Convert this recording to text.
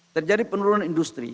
terjadi penurunan industri